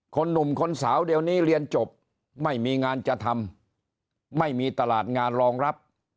หนุ่มคนสาวเดี๋ยวนี้เรียนจบไม่มีงานจะทำไม่มีตลาดงานรองรับ